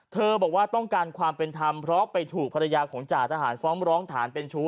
บอกว่าต้องการความเป็นธรรมเพราะไปถูกภรรยาของจ่าทหารฟ้องร้องฐานเป็นชู้